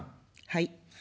はい。